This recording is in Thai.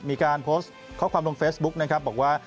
มีการโพสต์ข้อความลงเฟซบุ๊กนะครับบอกว่า